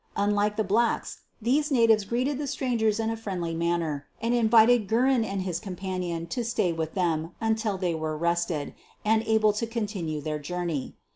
Unlike the blacks, these natives greeted the strangers in a friendly manner and invited Guerin and his com panion to stay with them until they were rested and able to continue their journey.